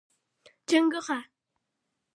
🐸 چنګوښه